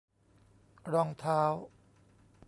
รองเท้า